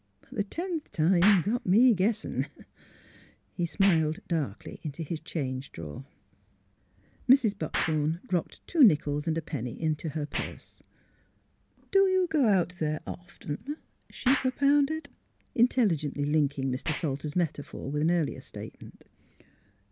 But the tenth time 's got me guessin '.'' He smiled darkly into his change drawer. Mrs. Buckthorn dropped, two nickels and a penny into her purse. *' Do you go out there often! " she propounded, intelligently linking Mr. Salter's metaphor with an earlier statement.